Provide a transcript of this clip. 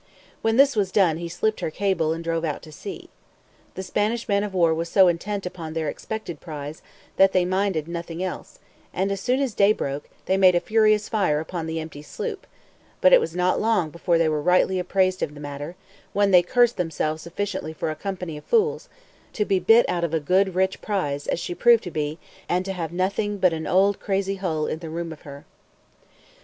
When this was done he slipped her cable, and drove out to sea. The Spanish man of war was so intent upon their expected prize, that they minded nothing else, and as soon as day broke, they made a furious fire upon the empty sloop; but it was not long before they were rightly apprised of the matter, when they cursed themselves sufficiently for a company of fools, to be bit out of a good rich prize, as she proved to be, and to have nothing but an old crazy hull in the room of her.